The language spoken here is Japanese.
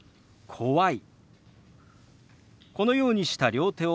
「怖い」。